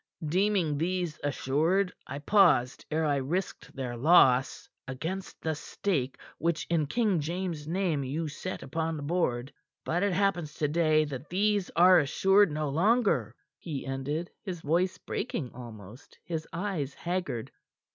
Deeming these assured, I paused ere I risked their loss against the stake which in King James's name you set upon the board. But it happens to day that these are assured no longer," he ended, his voice breaking almost, his eyes haggard.